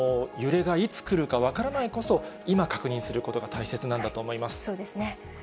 揺れがいつ来るか分からないこそ、今確認することが大切なんだと思そうですね。